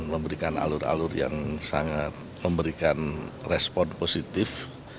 memberikan alur alur yang sangat memberikan respon positif